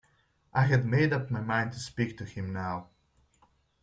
I had made up my mind to speak to him now.